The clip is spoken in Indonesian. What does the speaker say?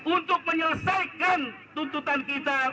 untuk menyelesaikan tuntutan kita